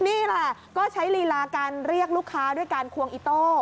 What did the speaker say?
นี่แหละก็ใช้ลีลาการเรียกลูกค้าด้วยการควงอิโต้